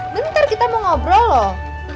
bentar kita mau ngobrol loh